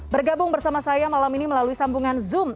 bergabung bersama saya malam ini melalui sambungan zoom